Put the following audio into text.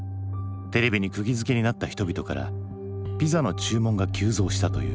テレビにくぎづけになった人々からピザの注文が急増したという。